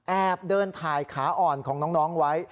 แอบเดินถ่ายขาอ่อนของน้องไว้